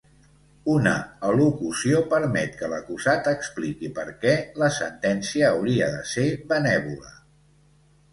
Una al·locució permet que l'acusat expliqui perquè la sentència hauria de ser benèvola.